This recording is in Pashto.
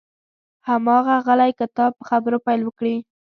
هماغه غلی کتاب په خبرو پیل وکړي.